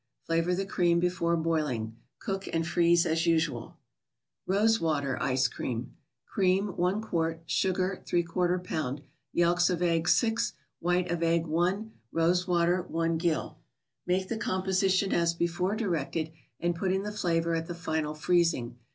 Flavor the cream be¬ fore boiling. Cook and freeze as usual. ISose^ater 3ice>Cream. Cream, i qt.; Sugar, Y lb.; Yelks of eggs, 6; White of egg, i ; Rose water, i gill. Make the composition as before directed, and put in the flavoring at the final freezing.